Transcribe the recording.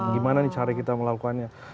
gimana nih cara kita melakukannya